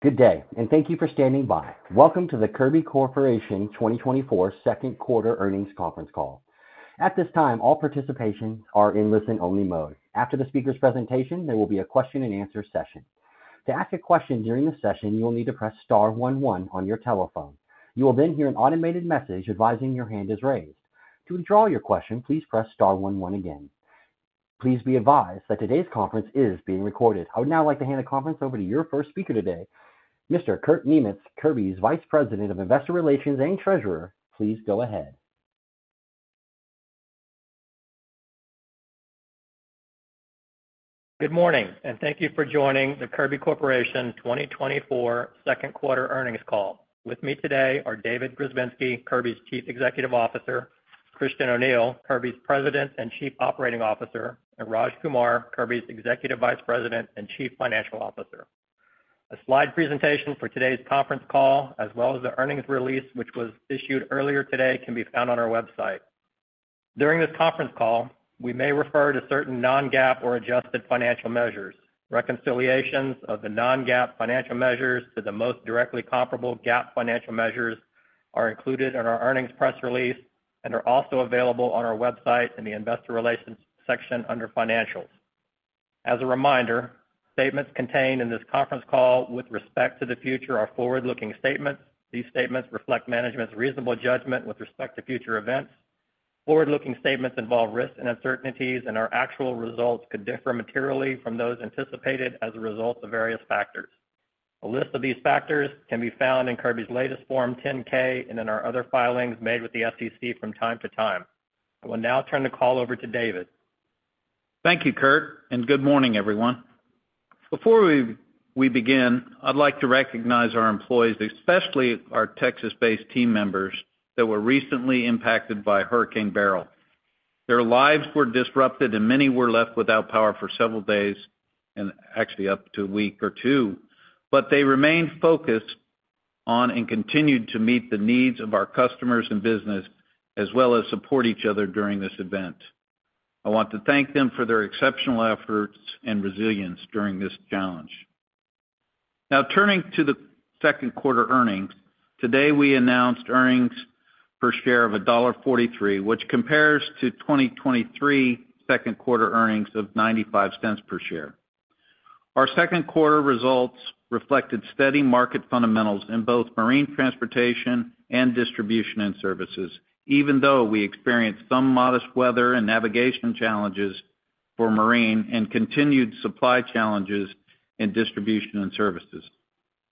Good day, and thank you for standing by. Welcome to the Kirby Corporation 2024 Q2 earnings conference call. At this time, all participants are in listen-only mode. After the speaker's presentation, there will be a Q&A session. To ask a question during the session, you will need to press star one one on your telephone. You will then hear an automated message advising your hand is raised. To withdraw your question, please press star one one again. Please be advised that today's conference is being recorded. I would now like to hand the conference over to your first speaker today, Mr. Kurt Niemietz, Kirby's Vice President of Investor Relations and Treasurer. Please go ahead. Good morning, and thank you for joining the Kirby Corporation 2024 Q2 earnings call. With me today are David Grzebinski, Kirby's Chief Executive Officer; Christian O'Neil, Kirby's President and Chief Operating Officer; and Raj Kumar, Kirby's Executive Vice President and Chief Financial Officer. A slide presentation for today's conference call, as well as the earnings release, which was issued earlier today, can be found on our website. During this conference call, we may refer to certain non-GAAP or adjusted financial measures. Reconciliations of the non-GAAP financial measures to the most directly comparable GAAP financial measures are included in our earnings press release and are also available on our website in the Investor Relations section under Financials. As a reminder, statements contained in this conference call with respect to the future are forward-looking statements. These statements reflect management's reasonable judgment with respect to future events. Forward-looking statements involve risks and uncertainties, and our actual results could differ materially from those anticipated as a result of various factors. A list of these factors can be found in Kirby's latest Form 10-K and in our other filings made with the SEC from time to time. I will now turn the call over to David Grzebinski. Thank you, Kurt Niemietz, and good morning, everyone. Before we begin, I'd like to recognize our employees, especially our Texas-based team members, that were recently impacted by Hurricane Beryl. Their lives were disrupted, and many were left without power for several days, and actually up to a week or two, but they remained focused on and continued to meet the needs of our customers and business, as well as support each other during this event. I want to thank them for their exceptional efforts and resilience during this challenge. Now, turning to the Q2 earnings. Today, we announced earnings per share of $1.43, which compares to 2023 Q2 earnings of $0.95 per share. Our Q2 results reflected steady market fundamentals in both marine transportation and distribution and services, even though we experienced some modest weather and navigation challenges for marine and continued supply challenges in distribution and services.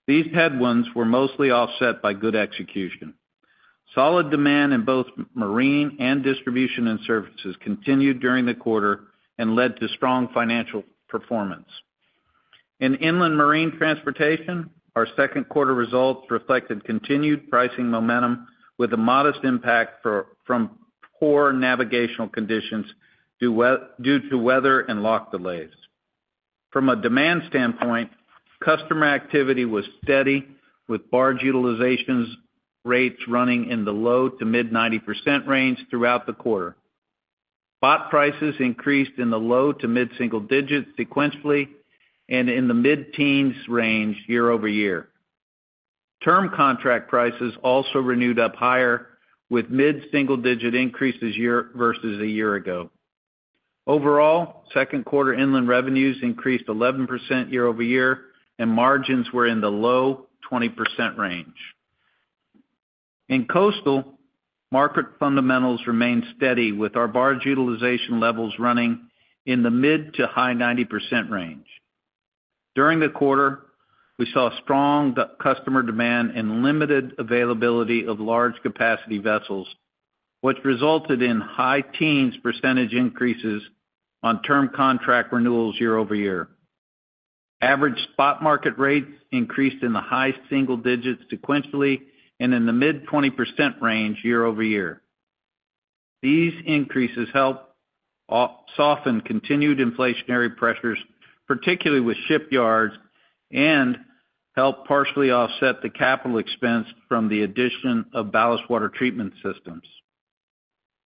These headwinds were mostly offset by good execution. Solid demand in both marine and distribution and services continued during the quarter and led to strong financial performance. In inland marine transportation, our Q2 results reflected continued pricing momentum with a modest impact from poor navigational conditions due to weather and lock delays. From a demand standpoint, customer activity was steady, with barge utilization rates running in the low- to mid-90% range throughout the quarter. Spot prices increased in the low- to mid-single-digits sequentially and in the mid-teens range year-over-year. Term contract prices also renewed up higher, with mid-single-digit increases year versus a year ago. Overall, Q2 inland revenues increased 11% year-over-year, and margins were in the low-20% range. In coastal, market fundamentals remained steady, with our barge utilization levels running in the mid- to high-90% range. During the quarter, we saw strong customer demand and limited availability of large capacity vessels, which resulted in high-teens% increases on term contract renewals year-over-year. Average spot market rates increased in the high-single-digits sequentially and in the mid-20% range year-over-year. These increases helped to soften continued inflationary pressures, particularly with shipyards, and helped partially offset the capital expense from the addition of ballast water treatment systems.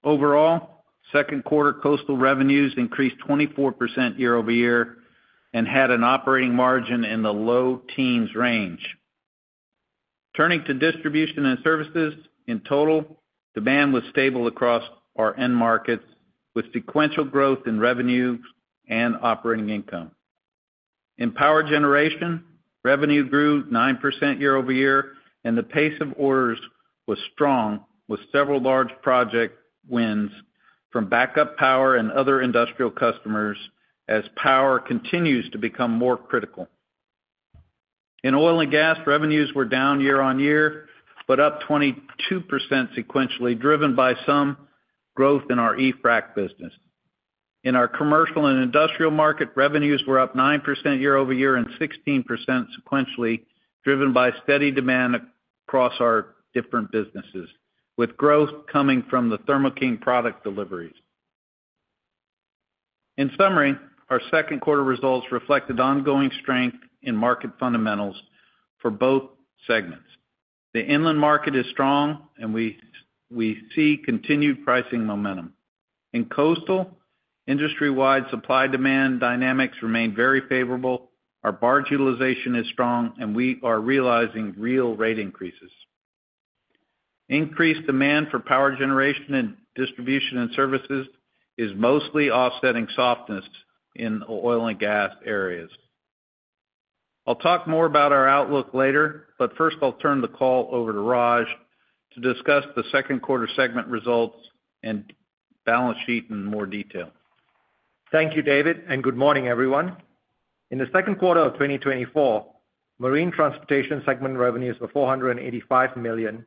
Overall, Q2 coastal revenues increased 24% year-over-year and had an operating margin in the low-teens% range. Turning to distribution and services, in total, demand was stable across our end markets, with sequential growth in revenue and operating income. In power generation, revenue grew 9% year-over-year, and the pace of orders was strong, with several large project wins from backup power and other industrial customers as power continues to become more critical. In oil and gas, revenues were down year-over-year, but up 22% sequentially, driven by some growth in our e-frac business. In our commercial and industrial market, revenues were up 9% year-over-year and 16% sequentially, driven by steady demand across our different businesses, with growth coming from the Thermo King product deliveries. In summary, our Q2 results reflected ongoing strength in market fundamentals for both segments. The inland market is strong, and we see continued pricing momentum.... In coastal, industry-wide supply-demand dynamics remain very favorable, our barge utilization is strong, and we are realizing real rate increases. Increased demand for power generation and distribution and services is mostly offsetting softness in oil and gas areas. I'll talk more about our outlook later, but first, I'll turn the call over to Raj Kumar to discuss the Q2 segment results and balance sheet in more detail. Thank you, David Grzebinski, and good morning, everyone. In the Q2 of 2024, marine transportation segment revenues were $485 million,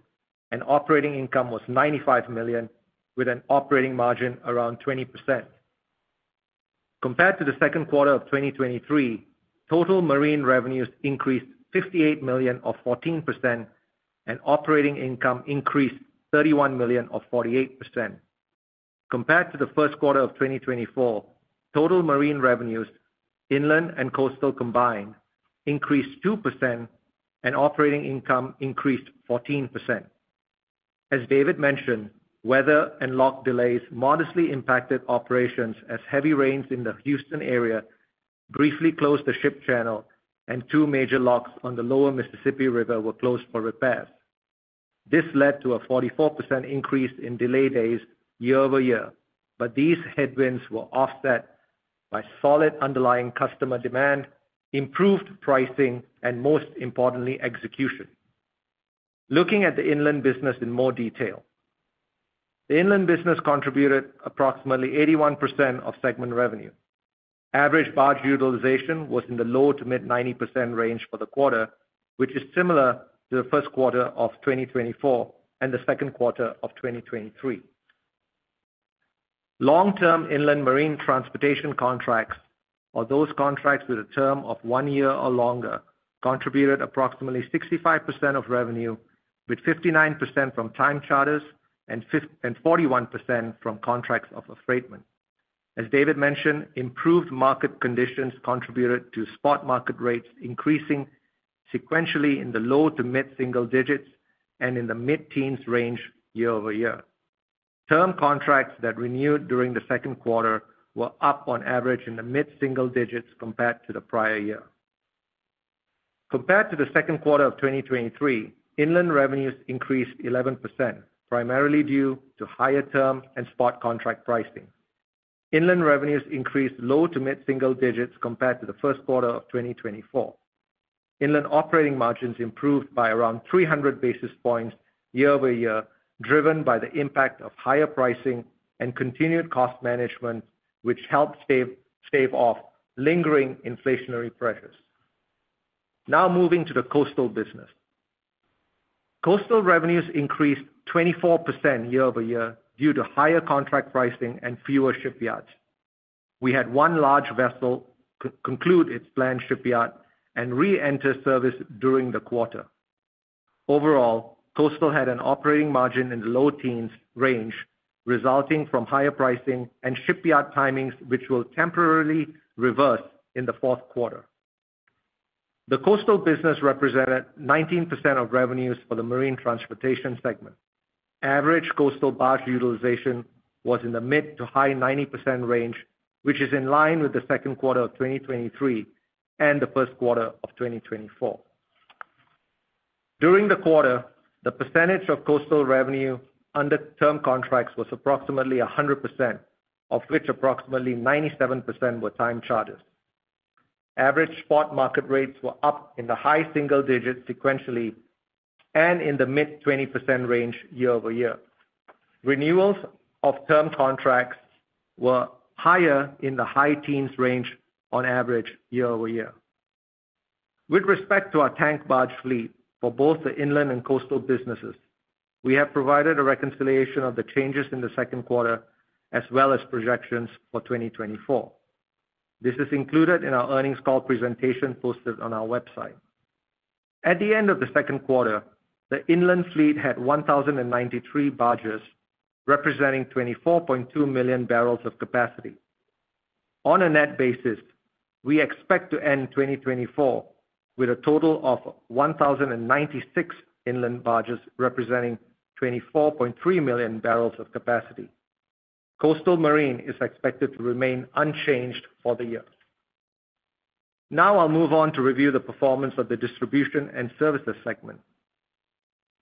and operating income was $95 million, with an operating margin around 20%. Compared to the Q2 of 2023, total marine revenues increased $58 million, or 14%, and operating income increased $31 million, or 48%. Compared to the Q1 of 2024, total marine revenues, inland and coastal combined, increased 2% and operating income increased 14%. As David Grzebinski mentioned, weather and lock delays modestly impacted operations as heavy rains in the Houston area briefly closed the ship channel and two major locks on the lower Mississippi River were closed for repairs. This led to a 44% increase in delay days year-over-year, but these headwinds were offset by solid underlying customer demand, improved pricing, and most importantly, execution. Looking at the inland business in more detail. The inland business contributed approximately 81% of segment revenue. Average barge utilization was in the low- to mid-90% range for the quarter, which is similar to the Q1 of 2024 and the Q2 of 2023. Long-term inland marine transportation contracts, or those contracts with a term of one year or longer, contributed approximately 65% of revenue, with 59% from time charters and 41% from contracts of affreightment. As David Grzebinski mentioned, improved market conditions contributed to spot market rates increasing sequentially in the low- to mid-single-digits and in the mid-teens range year-over-year. Term contracts that renewed during the Q2 were up on average in the mid-single-digits compared to the prior year. Compared to the Q2 of 2023, inland revenues increased 11%, primarily due to higher term and spot contract pricing. Inland revenues increased low to mid-single-digits compared to the Q1 of 2024. Inland operating margins improved by around 300 basis points year-over-year, driven by the impact of higher pricing and continued cost management, which helped stave off lingering inflationary pressures. Now moving to the coastal business. Coastal revenues increased 24% year-over-year due to higher contract pricing and fewer shipyards. We had one large vessel conclude its planned shipyard and reenter service during the quarter. Overall, Coastal had an operating margin in the low-teens range, resulting from higher pricing and shipyard timings, which will temporarily reverse in the Q4. The Coastal business represented 19% of revenues for the marine transportation segment. Average Coastal barge utilization was in the mid- to high 90% range, which is in line with the Q2 of 2023 and the Q1 of 2024. During the quarter, the percentage of Coastal revenue under term contracts was approximately 100%, of which approximately 97% were time charters. Average spot market rates were up in the high-single-digits sequentially and in the mid-20% range year-over-year. Renewals of term contracts were higher in the high teens range on average year-over-year. With respect to our tank barge fleet for both the inland and coastal businesses, we have provided a reconciliation of the changes in the Q2, as well as projections for 2024. This is included in our earnings call presentation posted on our website. At the end of the Q2, the inland fleet had 1,093 barges, representing 24.2 million barrels of capacity. On a net basis, we expect to end 2024 with a total of 1,096 inland barges, representing 24.3 million barrels of capacity. Coastal marine is expected to remain unchanged for the year. Now I'll move on to review the performance of the distribution and services segment.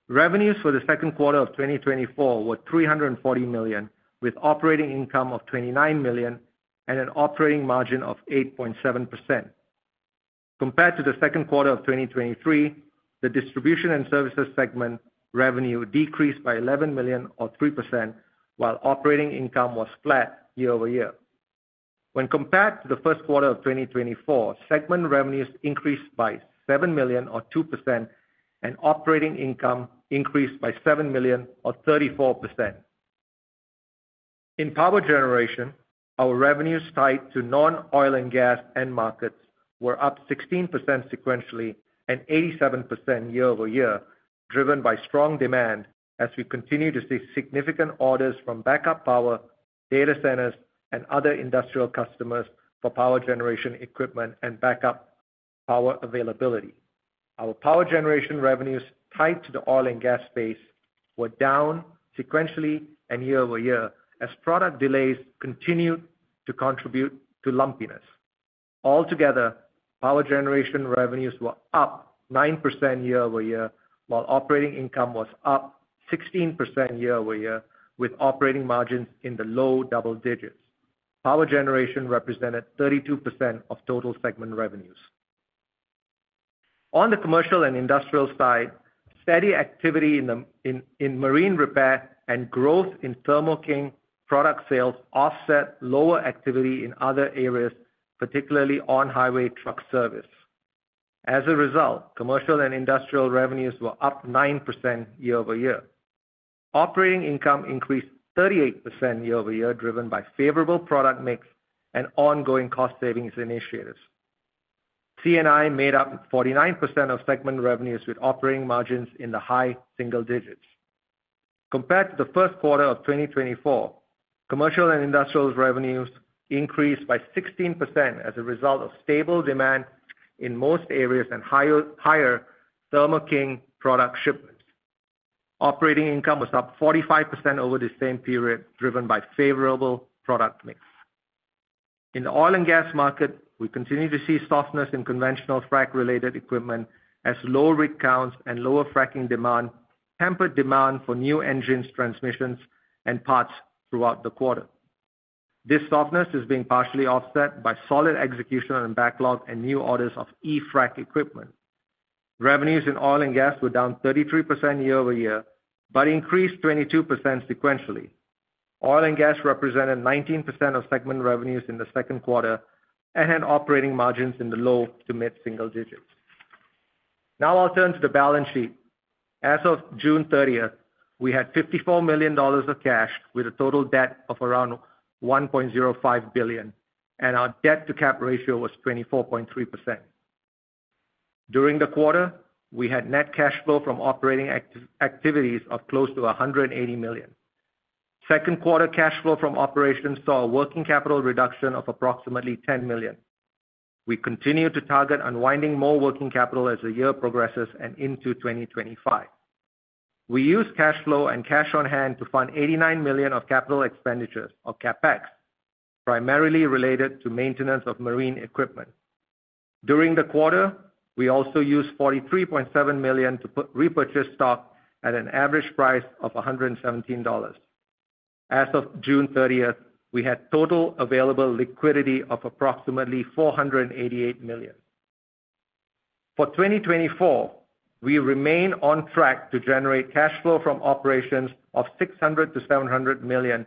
Revenues for the Q2 of 2024 were $340 million, with operating income of $29 million and an operating margin of 8.7%. Compared to the Q2 of 2023, the Distribution and Services segment revenue decreased by $11 million or 3%, while operating income was flat year-over-year. When compared to the Q1 of 2024, segment revenues increased by $7 million or 2%, and operating income increased by $7 million or 34%. In power generation, our revenues tied to non-oil and gas end markets were up 16% sequentially and 87% year-over-year, driven by strong demand as we continue to see significant orders from backup power, data centers, and other industrial customers for power generation equipment and backup power availability. Our power generation revenues tied to the oil and gas space were down sequentially and year-over-year, as product delays continued to contribute to lumpiness. Altogether, power generation revenues were up 9% year-over-year, while operating income was up 16% year-over-year, with operating margins in the low-double-digits. Power generation represented 32% of total segment revenues. On the commercial and industrial side, steady activity in the marine repair and growth in Thermo King product sales offset lower activity in other areas, particularly on-highway truck service. As a result, commercial and industrial revenues were up 9% year-over-year. Operating income increased 38% year-over-year, driven by favorable product mix and ongoing cost savings initiatives. C&I made up 49% of segment revenues, with operating margins in the high-single-digits. Compared to the Q1 of 2024, commercial and industrial revenues increased by 16% as a result of stable demand in most areas and higher Thermo King product shipments. Operating income was up 45% over the same period, driven by favorable product mix. In the oil and gas market, we continue to see softness in conventional frac-related equipment as lower rig counts and lower fracking demand tempered demand for new engines, transmissions, and parts throughout the quarter. This softness is being partially offset by solid execution on backlog and new orders of e-frac equipment. Revenues in oil and gas were down 33% year-over-year, but increased 22% sequentially. Oil and gas represented 19% of segment revenues in the Q2 and had operating margins in the low-to mid-single-digits. Now I'll turn to the balance sheet. As of June 30th, we had $54 million of cash with a total debt of around $1.05 billion, and our debt-to-cap ratio was 24.3%. During the quarter, we had net cash flow from operating activities of close to $180 million. Q2 cash flow from operations saw a working capital reduction of approximately $10 million. We continue to target unwinding more working capital as the year progresses and into 2025. We used cash flow and cash on hand to fund $89 million of capital expenditures, or CapEx, primarily related to maintenance of marine equipment. During the quarter, we also used $43.7 million to repurchase stock at an average price of $117. As of June 30th, we had total available liquidity of approximately $488 million. For 2024, we remain on track to generate cash flow from operations of $600 million-$700 million,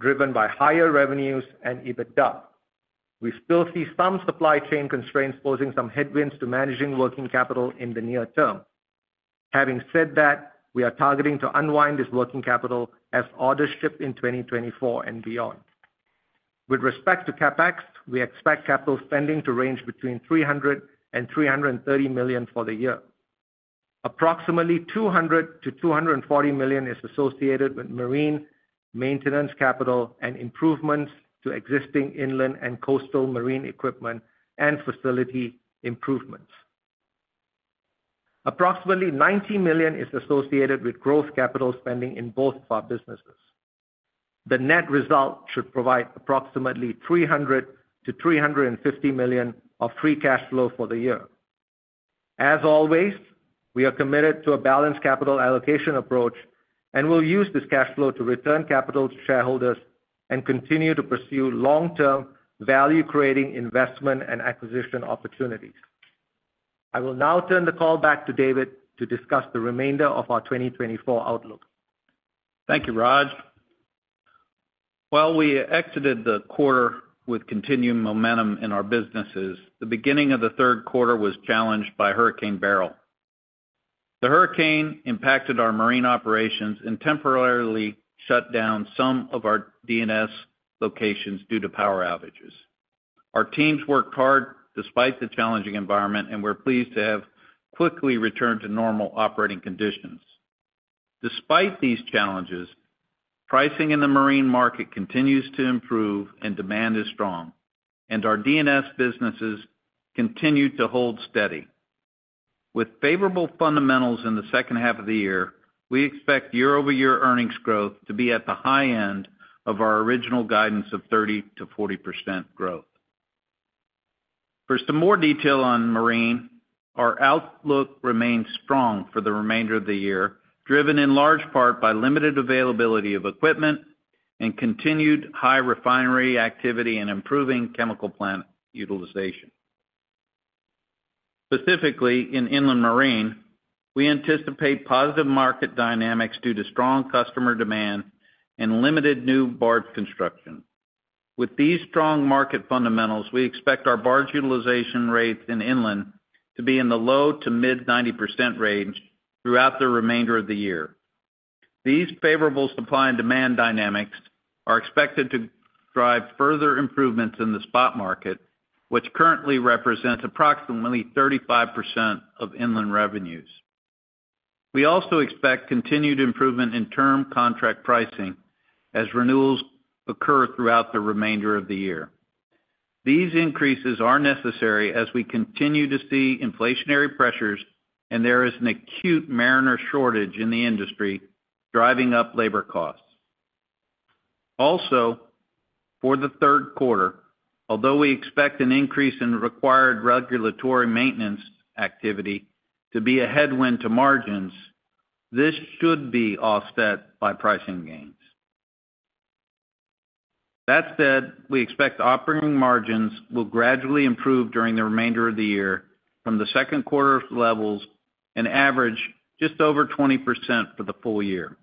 driven by higher revenues and EBITDA. We still see some supply chain constraints posing some headwinds to managing working capital in the near-term. Having said that, we are targeting to unwind this working capital as orders ship in 2024 and beyond. With respect to CapEx, we expect capital spending to range between $300 million and $330 million for the year. Approximately $200 million-$240 million is associated with marine maintenance, capital, and improvements to existing inland and coastal marine equipment and facility improvements. Approximately $90 million is associated with growth capital spending in both of our businesses. The net result should provide approximately $300 million-$350 million of free cash flow for the year. As always, we are committed to a balanced capital allocation approach, and we'll use this cash flow to return capital to shareholders and continue to pursue long-term, value-creating investment and acquisition opportunities. I will now turn the call back to David Grzebinski to discuss the remainder of our 2024 outlook. Thank you, Raj Kumar. While we exited the quarter with continued momentum in our businesses, the beginning of the Q3 was challenged by Hurricane Beryl. The hurricane impacted our marine operations and temporarily shut down some of our D&S locations due to power outages. Our teams worked hard despite the challenging environment, and we're pleased to have quickly returned to normal operating conditions. Despite these challenges, pricing in the marine market continues to improve and demand is strong, and our D&S businesses continue to hold steady. With favorable fundamentals in the second-half of the year, we expect year-over-year earnings growth to be at the high end of our original guidance of 30%-40% growth. For some more detail on marine, our outlook remains strong for the remainder of the year, driven in large part by limited availability of equipment and continued high refinery activity and improving chemical plant utilization. Specifically, in inland marine, we anticipate positive market dynamics due to strong customer demand and limited new barge construction. With these strong market fundamentals, we expect our barge utilization rates in inland to be in the low- to mid-90% range throughout the remainder of the year. These favorable supply and demand dynamics are expected to drive further improvements in the spot market, which currently represents approximately 35% of inland revenues. We also expect continued improvement in term contract pricing as renewals occur throughout the remainder of the year. These increases are necessary as we continue to see inflationary pressures, and there is an acute mariner shortage in the industry, driving up labor costs. Also, for the Q3, although we expect an increase in required regulatory maintenance activity to be a headwind to margins, this should be offset by pricing gains. That said, we expect operating margins will gradually improve during the remainder of the year from the Q2 levels and average just over 20% for the full year.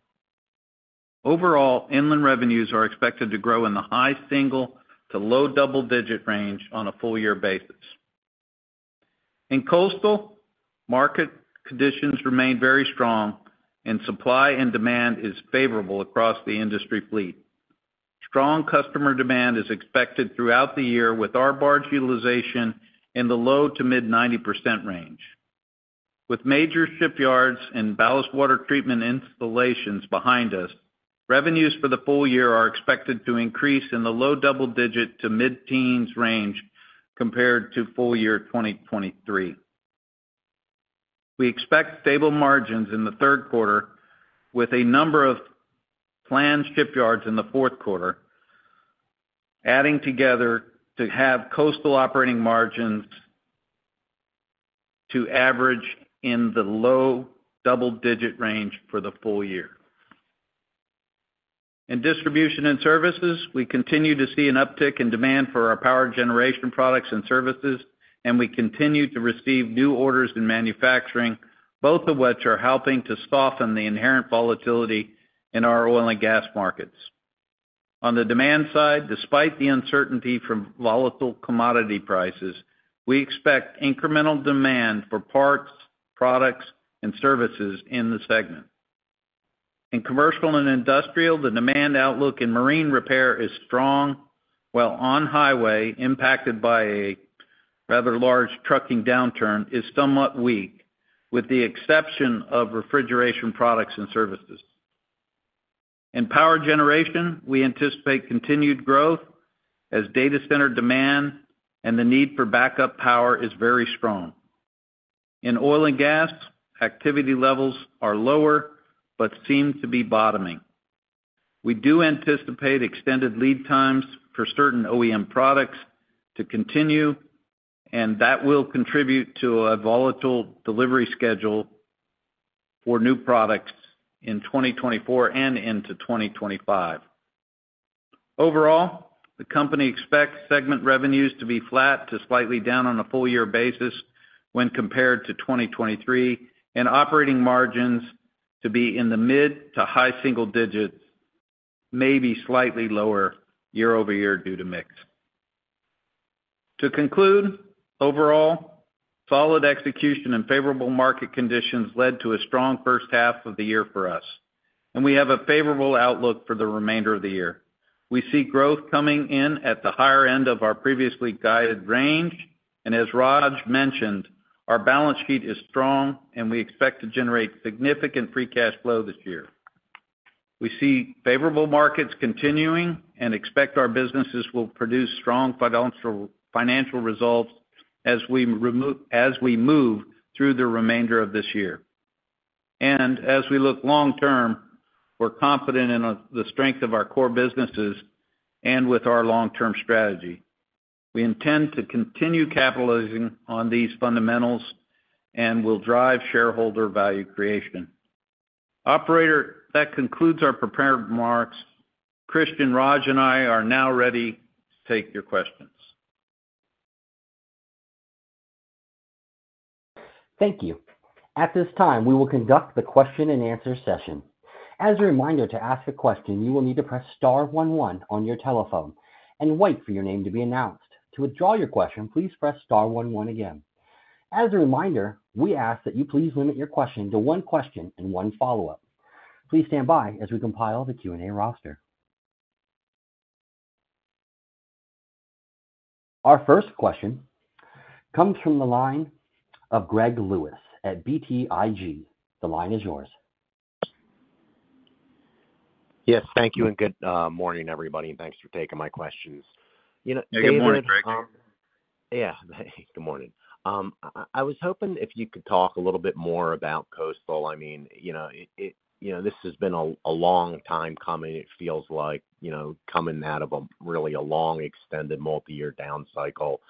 Overall, inland revenues are expected to grow in the high-single-digit to low-double-digit range on a full year basis. In coastal, market conditions remain very strong, and supply and demand is favorable across the industry fleet. Strong customer demand is expected throughout the year, with our barge utilization in the low- to mid-90% range. With major shipyards and ballast water treatment installations behind us, revenues for the full year are expected to increase in the low double-digit to mid-teens range compared to full year 2023. We expect stable margins in the Q3, with a number of planned shipyards in the Q4, adding together to have coastal operating margins to average in the low-double-digit range for the full year. In Distribution and Services, we continue to see an uptick in demand for our power generation products and services, and we continue to receive new orders in manufacturing, both of which are helping to soften the inherent volatility in our oil and gas markets. On the demand side, despite the uncertainty from volatile commodity prices, we expect incremental demand for parts, products, and services in the segment. In commercial and industrial, the demand outlook in marine repair is strong, while on-highway, impacted by a rather large trucking downturn, is somewhat weak, with the exception of refrigeration products and services. In power generation, we anticipate continued growth as data center demand and the need for backup power is very strong. In oil and gas, activity levels are lower but seem to be bottoming. We do anticipate extended lead times for certain OEM products to continue, and that will contribute to a volatile delivery schedule for new products in 2024 and into 2025. Overall, the company expects segment revenues to be flat to slightly down on a full year basis when compared to 2023, and operating margins to be in the mid to high-single-digits, maybe slightly lower year-over-year due to mix. To conclude, overall, solid execution and favorable market conditions led to a strong first-half of the year for us, and we have a favorable outlook for the remainder of the year. We see growth coming in at the higher end of our previously guided range, and as Raj Kumar mentioned, our balance sheet is strong, and we expect to generate significant free cash flow this year. We see favorable markets continuing and expect our businesses will produce strong financial results as we move through the remainder of this year. As we look long-term, we're confident in the strength of our core businesses and with our long-term strategy. We intend to continue capitalizing on these fundamentals and will drive shareholder value creation. Operator, that concludes our prepared remarks. Christian O'Neil, Raj Kumar, and I are now ready to take your questions. Thank you. At this time, we will conduct the Q&A session. As a reminder, to ask a question, you will need to press star one one on your telephone and wait for your name to be announced. To withdraw your question, please press star one one again. As a reminder, we ask that you please limit your question to one question and one follow-up. Please stand by as we compile the Q&A roster. Our first question comes from the line of Greg Lewis at BTIG. The line is yours. Yes, thank you, and good morning, everybody, and thanks for taking my questions. You know- Good morning, Greg Lewis. Yeah, good morning. I was hoping if you could talk a little bit more about coastal. I mean, you know, this has been a long time coming. It feels like, you know, coming out of a really long, extended, multiyear down cycle.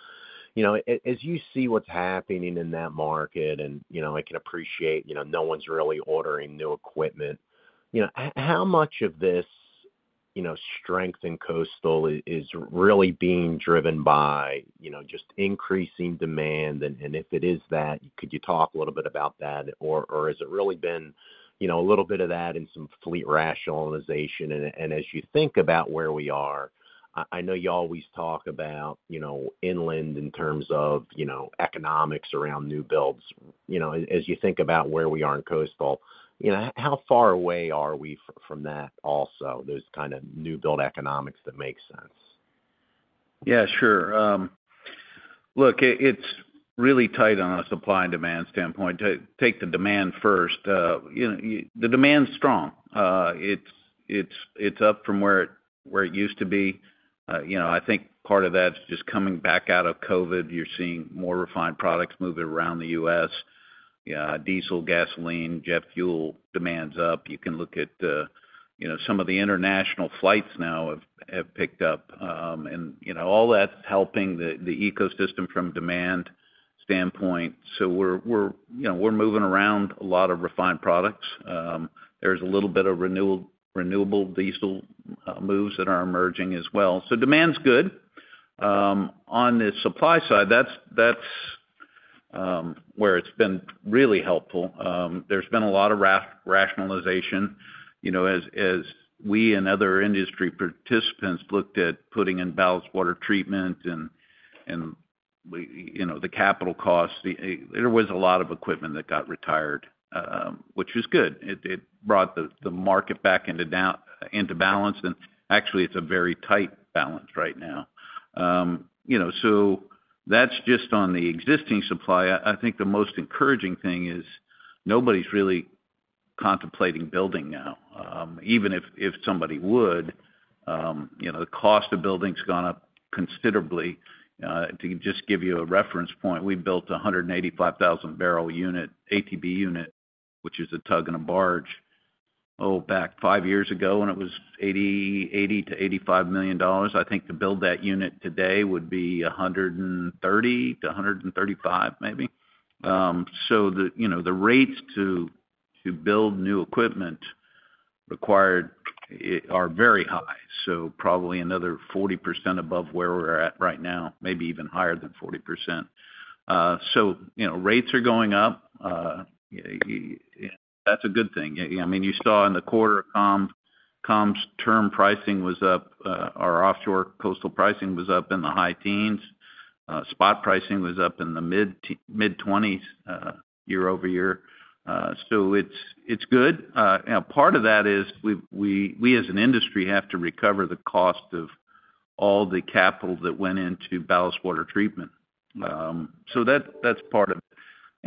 You know, as you see what's happening in that market and, you know, I can appreciate, you know, no one's really ordering new equipment, you know, how much of this, you know, strength in coastal is really being driven by, you know, just increasing demand? And if it is that, could you talk a little bit about that, or has it really been, you know, a little bit of that and some fleet rationalization? As you think about where we are, I know you always talk about, you know, inland in terms of, you know, economics around new builds. You know, as you think about where we are in coastal, you know, how far away are we from that also, those kind of new build economics that make sense? Yeah, sure. Look, it's really tight on a supply and demand standpoint. To take the demand first, you know, the demand's strong. It's up from where it used to be. You know, I think part of that's just coming back out of COVID. You're seeing more refined products moving around the U.S. Yeah, diesel, gasoline, jet fuel demand's up. You can look at, you know, some of the international flights now have picked up. And, you know, all that's helping the ecosystem from demand standpoint. So we're, you know, we're moving around a lot of refined products. There's a little bit of renewable diesel moves that are emerging as well. So demand's good. On the supply side, that's where it's been really helpful. There's been a lot of rationalization, you know, as we and other industry participants looked at putting in ballast water treatment and we—you know, the capital costs. There was a lot of equipment that got retired, which was good. It brought the market back into balance, and actually, it's a very tight balance right now. You know, so that's just on the existing supply. I think the most encouraging thing is nobody's really contemplating building now. Even if somebody would, you know, the cost of building's gone up considerably. To just give you a reference point, we built a 185,000 barrel unit, ATB unit, which is a tug and a barge, oh, back five years ago, and it was $80-$85 million. I think to build that unit today would be $130 million-$135, million maybe. So, you know, the rates to build new equipment required are very high, so probably another 40% above where we're at right now, maybe even higher than 40%. So, you know, rates are going up. That's a good thing. I mean, you saw in the quarter, commercial's term pricing was up, our offshore coastal pricing was up in the high teens. Spot pricing was up in the mid-20%, year-over-year. So it's good. And part of that is we've, we as an industry, have to recover the cost of all the capital that went into ballast water treatment. So that's part of it.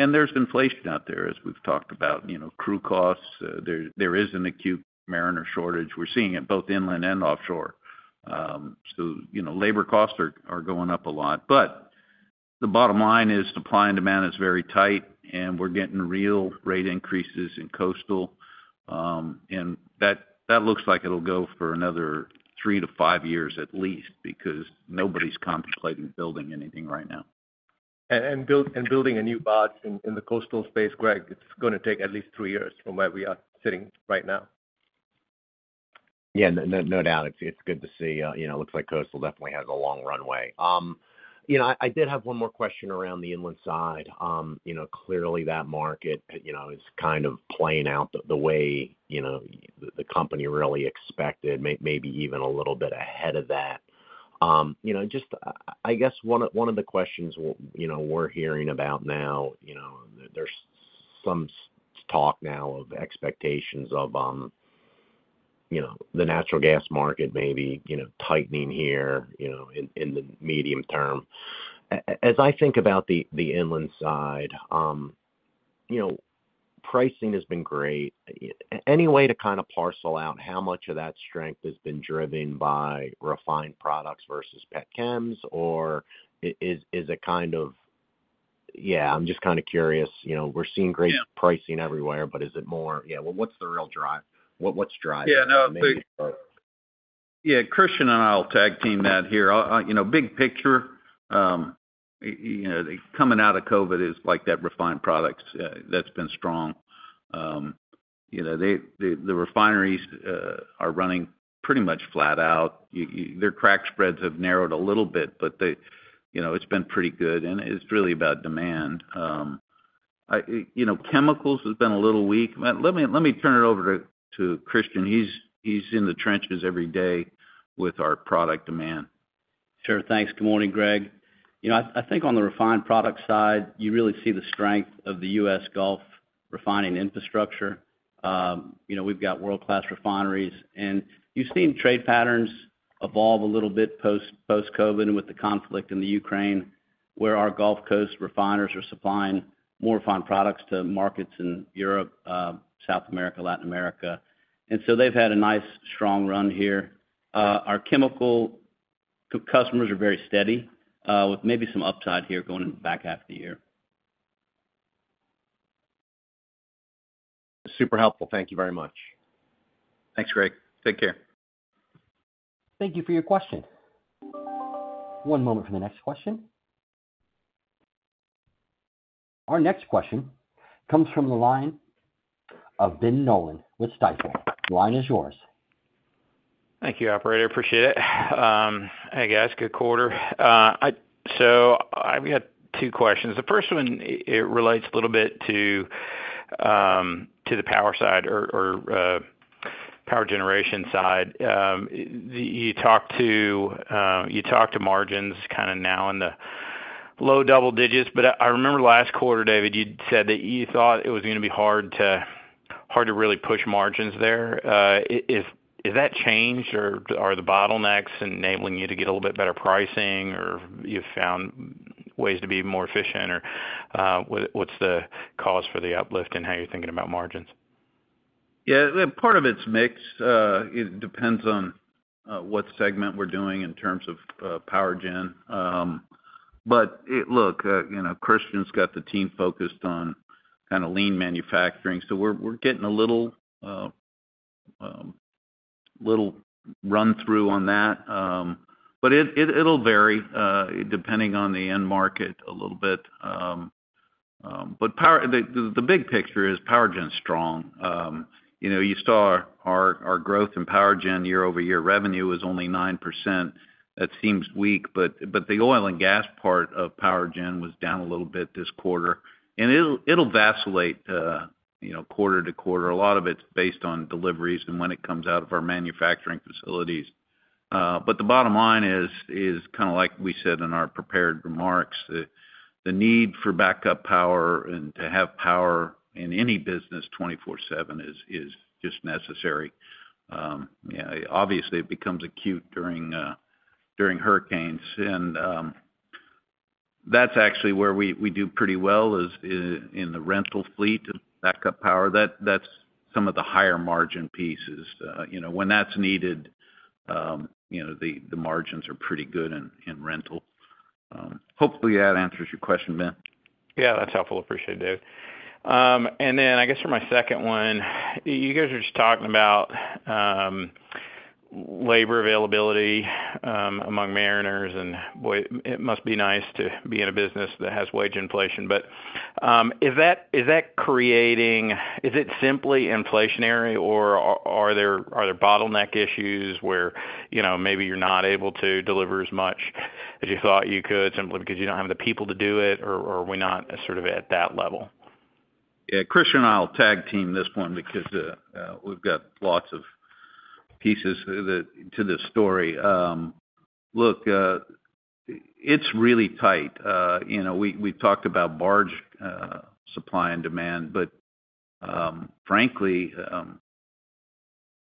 There's inflation out there, as we've talked about, you know, crew costs. There is an acute mariner shortage. We're seeing it both inland and offshore. So, you know, labor costs are going up a lot. But the bottom line is, supply and demand is very tight, and we're getting real rate increases in coastal. And that looks like it'll go for another three to five years at least, because nobody's contemplating building anything right now. Building a new barge in the coastal space, Greg Lewis, it's gonna take at least three years from where we are sitting right now. Yeah, no, no doubt. It's good to see, you know, looks like coastal definitely has a long runway. You know, I did have one more question around the inland side. You know, clearly, that market, you know, is kind of playing out the way, you know, the company really expected, maybe even a little bit ahead of that. You know, just, I guess one of the questions, you know, we're hearing about now, you know, there's some talk now of expectations of, you know, the natural gas market maybe, you know, tightening here, you know, in the medium term. As I think about the inland side, you know, pricing has been great. Any way to kind of parcel out how much of that strength has been driven by refined products versus petchems, or is it kind of... Yeah, I'm just kind of curious. You know, we're seeing great- Yeah... pricing everywhere, but is it more? Yeah, well, what's the real drive? What, what's driving it? Yeah, no, yeah, Christian O'Neil and I will tag team that here. You know, big picture, you know, coming out of COVID is like that refined products, that's been strong. You know, they—the, the refineries are running pretty much flat out. Their crack spreads have narrowed a little bit, but they, you know, it's been pretty good, and it's really about demand. I, you know, chemicals has been a little weak. Let me turn it over to Christian O'Neil. He's in the trenches every day with our product demand. Sure. Thanks. Good morning, Greg Lewis. You know, I think on the refined product side, you really see the strength of the U.S. Gulf refining infrastructure. You know, we've got world-class refineries, and you've seen trade patterns evolve a little bit post-COVID and with the conflict in the Ukraine, where our Gulf Coast refiners are supplying more refined products to markets in Europe, South America, Latin America. And so they've had a nice, strong run here. Our chemical customers are very steady, with maybe some upside here going in the back-half of the year. Super helpful. Thank you very much. Thanks, Greg Lewis. Take care. Thank you for your question. One moment for the next question. Our next question comes from the line of Ben Nolan with Stifel. The line is yours. Thank you, operator. Appreciate it. Hey, guys, good quarter. So I've got two questions. The first one it relates a little bit to the power side or power generation side. You talked to margins kind of now in the low-double-digits. But I remember last quarter, David Grzebinski, you'd said that you thought it was gonna be hard to really push margins there. Has that changed, or are the bottlenecks enabling you to get a little bit better pricing, or you've found ways to be more efficient? Or, what's the cause for the uplift in how you're thinking about margins? Yeah, part of it's mix. It depends on what segment we're doing in terms of power gen. But it, look, you know, Christian O'Neil's got the team focused on kind of lean manufacturing, so we're getting a little run through on that. But it, it'll vary depending on the end market a little bit. But power, the big picture is power gen's strong. You know, you saw our growth in power gen year-over-year revenue is only 9%. That seems weak, but the oil and gas part of power gen was down a little bit this quarter. And it'll vacillate, you know, quarter-to-quarter. A lot of it's based on deliveries and when it comes out of our manufacturing facilities. But the bottom line is kind of like we said in our prepared remarks, the need for backup power and to have power in any business 24/7 is just necessary. Yeah, obviously, it becomes acute during hurricanes. And that's actually where we do pretty well, is in the rental fleet of backup power. That's some of the higher margin pieces. You know, when that's needed, you know, the margins are pretty good in rental. Hopefully, that answers your question, Ben Nolan. Yeah, that's helpful. Appreciate it, David Grzebinski. And then, I guess, for my second one, you guys are just talking about labor availability among mariners, and, boy, it must be nice to be in a business that has wage inflation. But, is that creating - is it simply inflationary, or are there bottleneck issues where, you know, maybe you're not able to deliver as much as you thought you could simply because you don't have the people to do it, or are we not sort of at that level? Yeah, Christian O'Neil and I will tag team this one because we've got lots of pieces to this story. Look, it's really tight. You know, we've talked about barge supply and demand, but frankly,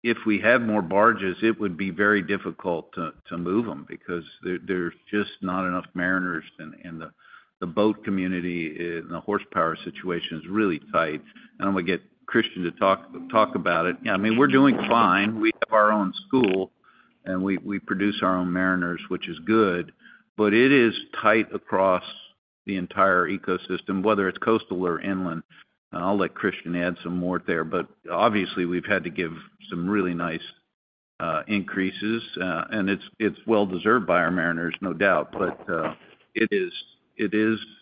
if we had more barges, it would be very difficult to move them because there's just not enough mariners in the boat community, and the horsepower situation is really tight. And I'm gonna get Christian O'Neil to talk about it. I mean, we're doing fine. We have our own school, and we produce our own mariners, which is good, but it is tight across the entire ecosystem, whether it's coastal or inland. I'll let Christian O'Neil add some more there, but obviously, we've had to give some really nice increases, and it's well deserved by our mariners, no doubt. But it is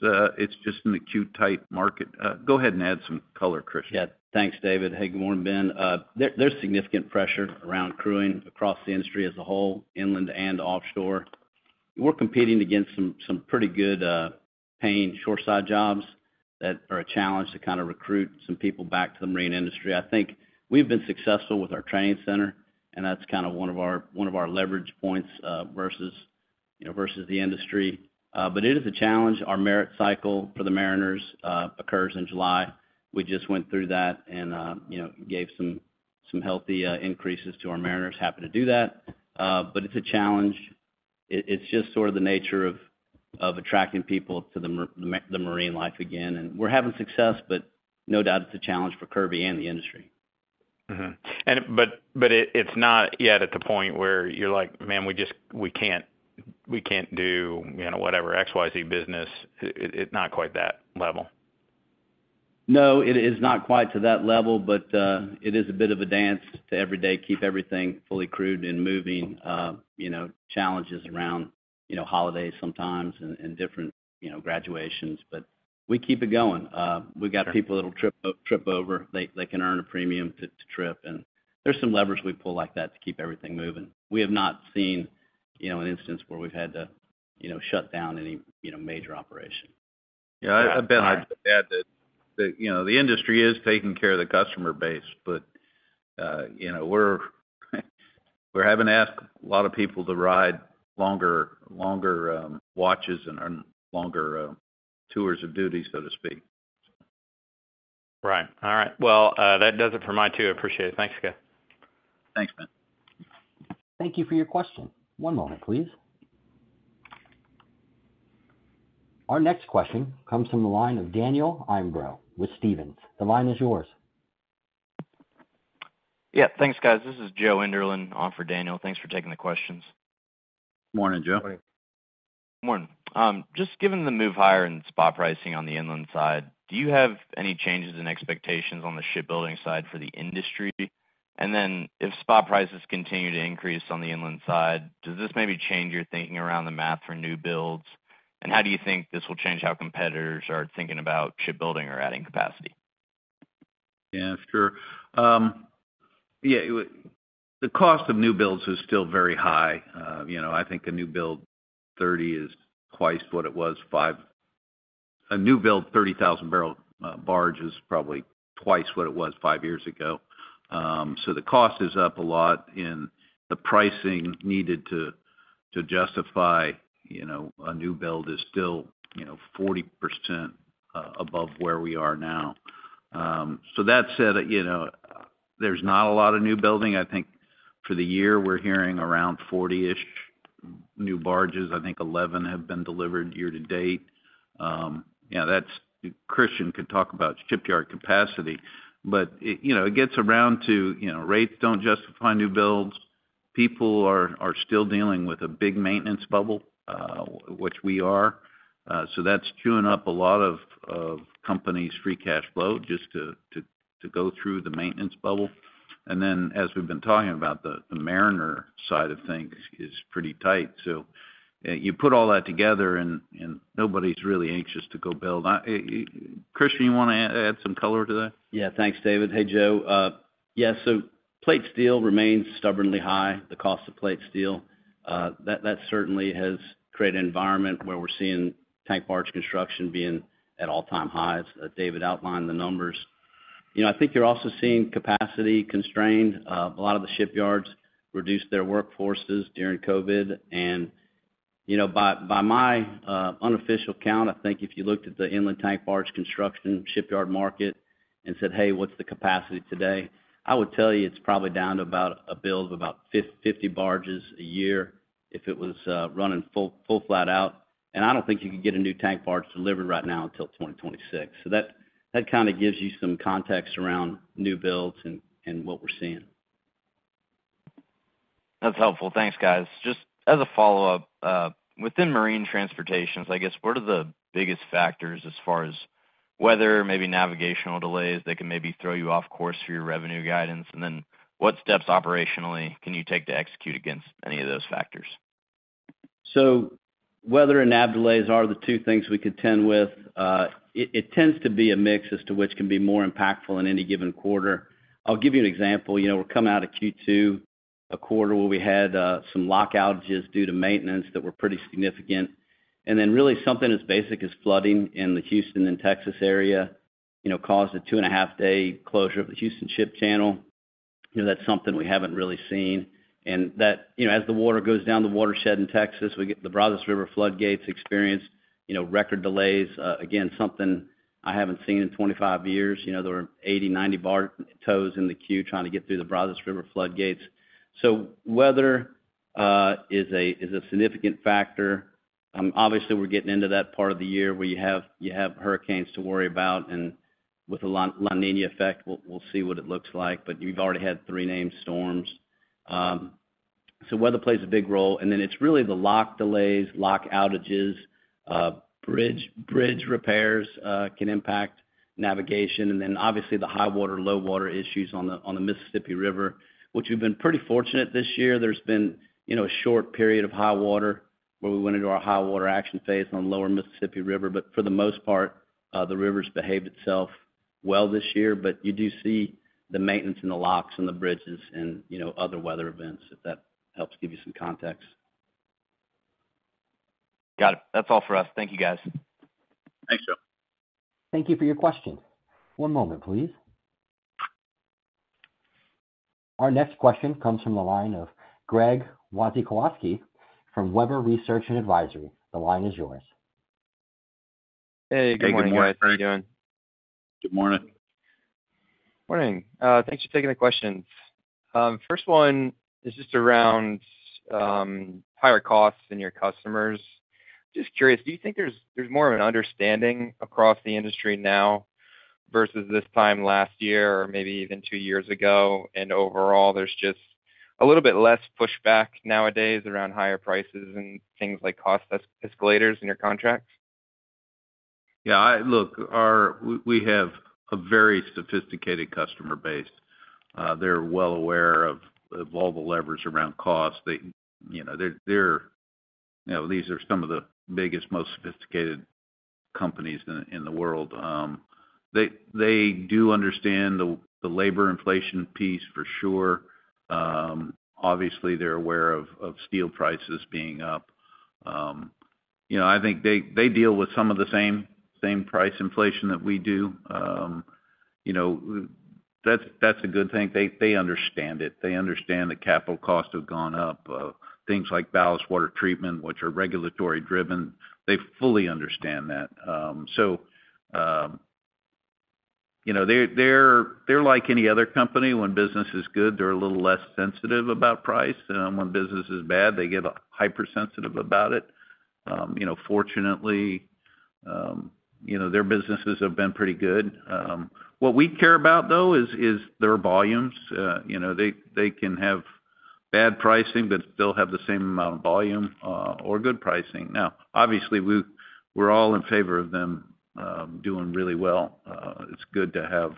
an acute tight market. Go ahead and add some color, Christian O'Neil. Yeah. Thanks, David Grzebinski. Hey, good morning, Ben Nolan. There's significant pressure around crewing across the industry as a whole, inland and offshore. We're competing against some pretty good paying shoreside jobs that are a challenge to kind of recruit some people back to the marine industry. I think we've been successful with our training center, and that's kind of one of our leverage points versus, you know, versus the industry. But it is a challenge. Our merit cycle for the mariners occurs in July. We just went through that and, you know, gave some healthy increases to our mariners. Happy to do that, but it's a challenge. It's just sort of the nature of attracting people to the marine life again, and we're having success, but no doubt it's a challenge for Kirby and the industry. Mm-hmm. And but, but it, it's not yet at the point where you're like, "Man, we just, we can't, we can't do, you know, whatever, XYZ business." It, it, it's not quite that level? No, it is not quite to that level, but it is a bit of a dance to every day keep everything fully crewed and moving. You know, challenges around, you know, holidays sometimes and different, you know, graduations, but we keep it going. We've got people that'll trip over. They can earn a premium to trip, and there's some leverage we pull like that to keep everything moving. We have not seen, you know, an instance where we've had to, you know, shut down any, you know, major operation. Yeah, Ben Nolan, I'd add to that, that you know, the industry is taking care of the customer base, but you know, we're having to ask a lot of people to ride longer watches and longer tours of duty, so to speak. Right. All right. Well, that does it for my two. Appreciate it. Thanks, guys. Thanks, Ben Nolan. Thank you for your question. One moment, please. Our next question comes from the line of Daniel Imbro with Stephens. The line is yours. Yeah, thanks, guys. This is Joe Enderlin on for Daniel Imbro. Thanks for taking the questions. Morning, Joe Enderlin. Morning. Morning. Just given the move higher in spot pricing on the inland side, do you have any changes in expectations on the shipbuilding side for the industry? And then, if spot prices continue to increase on the inland side, does this maybe change your thinking around the math for new builds? And how do you think this will change how competitors are thinking about shipbuilding or adding capacity? Yeah, sure. Yeah, the cost of new builds is still very high. You know, I think a new build 30,000 barrel is twice what it was five... A new build, 30,000 barrel barge is probably twice what it was five years ago. So the cost is up a lot, and the pricing needed to justify, you know, a new build is still, you know, 40% above where we are now. So that said, you know, there's not a lot of new building. I think for the year, we're hearing around 40% new barges. I think 11 have been delivered year-to-date. Yeah, that's—Christian O'Neil can talk about shipyard capacity, but, you know, it gets around to, you know, rates don't justify new builds. People are still dealing with a big maintenance bubble, which we are. So that's chewing up a lot of companies' free cash flow just to go through the maintenance bubble. And then, as we've been talking about, the marine side of things is pretty tight. So, you put all that together and nobody's really anxious to go build. I, Christian O'Neil, you want to add some color to that? Yeah. Thanks, David Grzebinski. Hey, Joe Enderlin. Yeah, so plate steel remains stubbornly high, the cost of plate steel. That certainly has created an environment where we're seeing tank barge construction being at all-time highs, as David Grzebinski outlined the numbers. You know, I think you're also seeing capacity constrained. A lot of the shipyards reduced their workforces during COVID, and, you know, by my unofficial count, I think if you looked at the inland tank barge construction shipyard market and said, "Hey, what's the capacity today?" I would tell you, it's probably down to about a build of about 50 barges a year if it was running full flat out. And I don't think you could get a new tank barge delivered right now until 2026. So that kind of gives you some context around new builds and what we're seeing. That's helpful. Thanks, guys. Just as a follow-up, within marine transportation, I guess, what are the biggest factors as far as weather, maybe navigational delays, that can maybe throw you off course for your revenue guidance? And then what steps operationally can you take to execute against any of those factors? So weather and nav delays are the two things we contend with. It tends to be a mix as to which can be more impactful in any given quarter. I'll give you an example. You know, we're coming out of Q2, a quarter where we had some lock outages due to maintenance that were pretty significant. And then really something as basic as flooding in the Houston and Texas area, you know, caused a two and 1/2 day closure of the Houston Ship Channel. You know, that's something we haven't really seen, and that, you know, as the water goes down the watershed in Texas, we get the Brazos River floodgates experienced, you know, record delays, again, something I haven't seen in 25 years. You know, there were 80 barge-90 barge tows in the queue trying to get through the Brazos River floodgates. So weather is a significant factor. Obviously, we're getting into that part of the year where you have hurricanes to worry about, and with a La Niña effect, we'll see what it looks like. But you've already had three named storms. So weather plays a big role, and then it's really the lock delays, lock outages, bridge repairs can impact navigation, and then obviously, the high water, low water issues on the Mississippi River, which we've been pretty fortunate this year. There's been, you know, a short period of high water, where we went into our high water action phase on the lower Mississippi River, but for the most part, the river's behaved itself well this year. But you do see the maintenance in the locks and the bridges and, you know, other weather events, if that helps give you some context. Got it. That's all for us. Thank you, guys. Thanks, Joe Enderlin. Thank you for your question. One moment, please. Our next question comes from the line of Greg Wasikowski from Webber Research & Advisory. The line is yours. Hey, good morning, guys. How are you doing? Good morning. Morning. Thanks for taking the questions. First one is just around higher costs and your customers. Just curious, do you think there's more of an understanding across the industry now versus this time last year or maybe even two years ago, and overall, there's just a little bit less pushback nowadays around higher prices and things like cost escalators in your contracts? Yeah, look, we have a very sophisticated customer base. They're well aware of all the levers around cost. You know, these are some of the biggest, most sophisticated companies in the world. They do understand the labor inflation piece, for sure. Obviously, they're aware of steel prices being up. You know, I think they deal with some of the same price inflation that we do. You know, that's a good thing. They understand it. They understand the capital costs have gone up. Things like ballast water treatment, which are regulatory-driven, they fully understand that. You know, they're like any other company. When business is good, they're a little less sensitive about price. When business is bad, they get hyper sensitive about it. You know, fortunately, you know, their businesses have been pretty good. What we care about, though, is their volumes. You know, they can have bad pricing, but still have the same amount of volume, or good pricing. Now, obviously, we're all in favor of them doing really well. It's good to have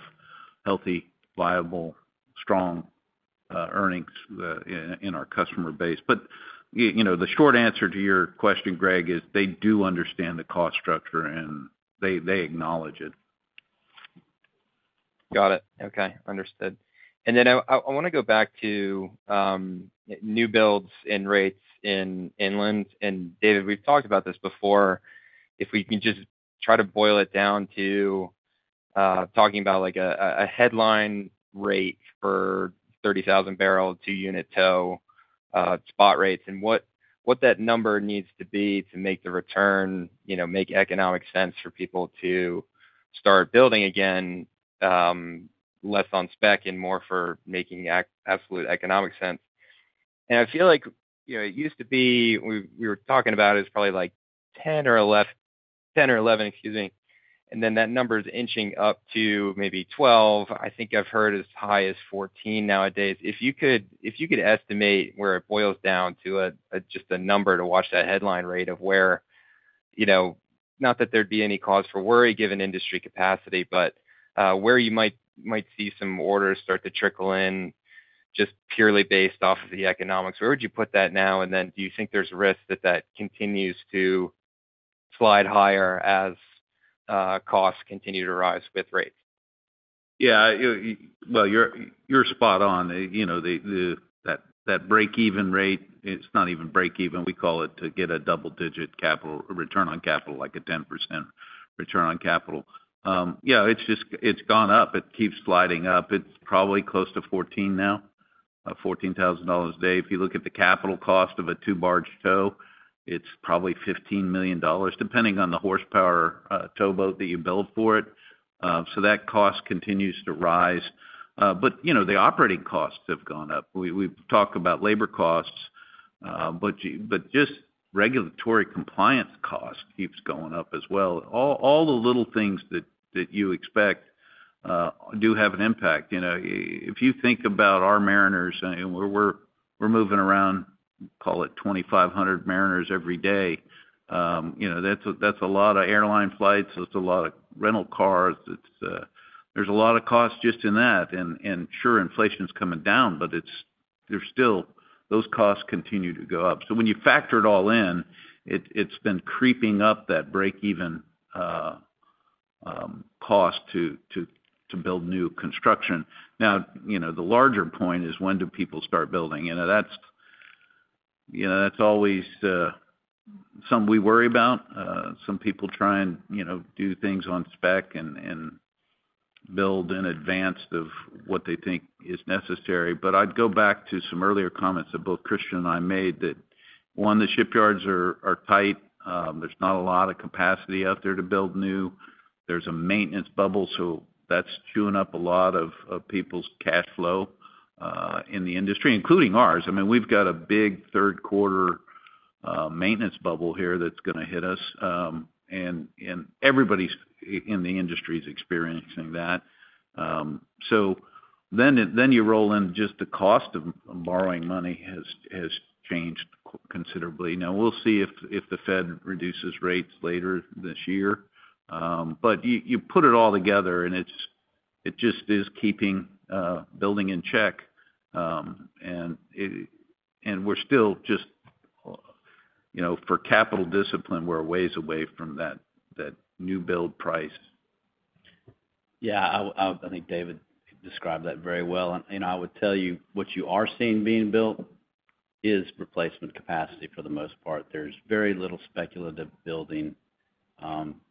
healthy, viable, strong earnings in our customer base. But you know, the short answer to your question, Greg Wasikowski, is they do understand the cost structure, and they acknowledge it.... Got it. Okay, understood. And then I, I want to go back to new builds and rates in inland. And David Grzebinski, we've talked about this before. If we can just try to boil it down to talking about like a headline rate for 30,000-barrel, two-unit tow spot rates, and what that number needs to be to make the return, you know, make economic sense for people to start building again, less on spec and more for making absolute economic sense. And I feel like, you know, it used to be, we, we were talking about is probably like $10 or $11, excuse me, and then that number is inching up to maybe $12. I think I've heard as high as $14 nowadays. If you could, if you could estimate where it boils down to a, just a number to watch that headline rate of where, you know, not that there'd be any cause for worry, given industry capacity, but, where you might, might see some orders start to trickle in, just purely based off of the economics, where would you put that now? And then do you think there's risk that that continues to slide higher as, costs continue to rise with rates? Yeah, well, you're spot on. You know, that break even rate, it's not even break even. We call it to get a double-digit capital return on capital, like a 10% return on capital. Yeah, it's just it's gone up. It keeps sliding up. It's probably close to $14 now, $14,000 a day. If you look at the capital cost of a two-barge tow, it's probably $15 million, depending on the horsepower, towboat that you build for it. So that cost continues to rise. But, you know, the operating costs have gone up. We've talked about labor costs, but just regulatory compliance cost keeps going up as well. All the little things that you expect do have an impact. You know, if you think about our mariners, and we're moving around, call it 2,500 mariners every day, you know, that's a lot of airline flights, that's a lot of rental cars. It's, there's a lot of costs just in that. Sure, inflation is coming down, but it's, there's still, those costs continue to go up. So when you factor it all in, it's been creeping up that breakeven cost to build new construction. Now, you know, the larger point is, when do people start building? You know, that's always something we worry about. Some people try and, you know, do things on spec and build in advance of what they think is necessary. But I'd go back to some earlier comments that both Christian O'Neil and I made, that, one, the shipyards are tight. There's not a lot of capacity out there to build new. There's a maintenance bubble, so that's chewing up a lot of people's cash flow in the industry, including ours. I mean, we've got a big Q3 maintenance bubble here that's going to hit us, and everybody's in the industry is experiencing that. So then you roll in just the cost of borrowing money has changed considerably. Now, we'll see if the Fed reduces rates later this year. But you put it all together, and it just is keeping building in check, and it... We're still just, you know, for capital discipline, we're a ways away from that, that new build price. Yeah, I think David Grzebinski described that very well. And I would tell you, what you are seeing being built is replacement capacity for the most part. There's very little speculative building.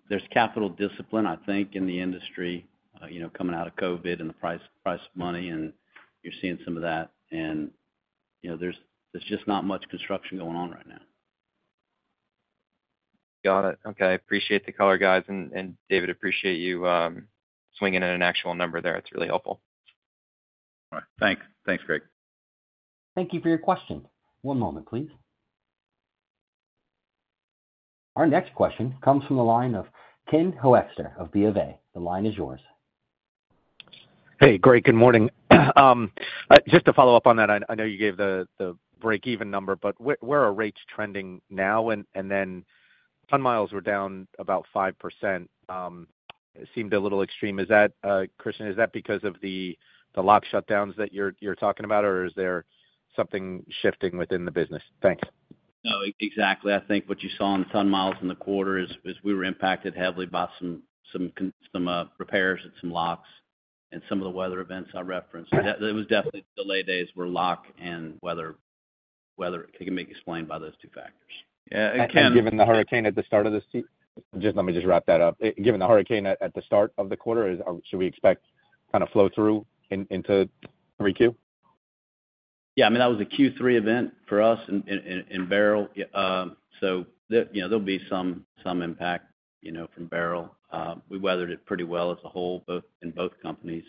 There's capital discipline, I think, in the industry, you know, coming out of COVID and the price of money, and you're seeing some of that. And you know, there's just not much construction going on right now. Got it. Okay. Appreciate the color, guys. And David Grzebinski, appreciate you swinging in an actual number there. It's really helpful. All right. Thanks. Thanks, Greg Wasikowski. Thank you for your question. One moment, please. Our next question comes from the line of Ken Hoexter of BofA. The line is yours. Hey, Greg, good morning. Just to follow up on that, I know you gave the break-even number, but where are rates trending now? Then ton miles were down about 5%. It seemed a little extreme. Is that, Christian O'Neil, because of the lock shutdowns that you're talking about, or is there something shifting within the business? Thanks. No, exactly. I think what you saw in the ton miles in the quarter is we were impacted heavily by some repairs and some locks and some of the weather events I referenced. It was definitely the lay days were lock and weather, weather can be explained by those two factors. Yeah, and given the hurricane. Just, let me just wrap that up. Given the hurricane at the start of the quarter, should we expect kind of flow-through into 3Q? Yeah, I mean, that was a Q3 event for us in Beryl. So, you know, there'll be some impact, you know, from Beryl. We weathered it pretty well as a whole, both companies,